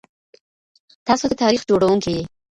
تاسو د تاريخ جوړونکي يئ.